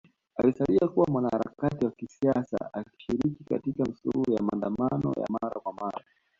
Alisalia kuwa mwanaharakati wa kisiasa akishiriki katika misururu ya maandamano ya mara kwa mara